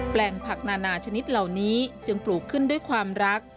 แปลงผักนานาชนิดเหล่านี้จึงปลูกขึ้นด้วยความรัก